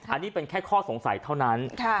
อันนี้เป็นแค่ข้อสมชาติ